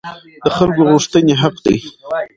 د خلکو غوښتنې حق دي